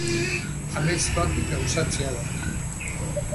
Amets bat gauzatzea da.